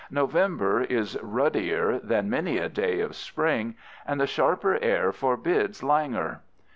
November is ruddier than many a day of spring and the sharp air forbids languor.